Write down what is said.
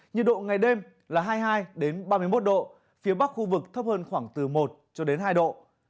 nhiệt độ ngày đêm là hai mươi hai ba mươi một độ phía bắc khu vực thấp hơn khoảng từ một cho đến hai độ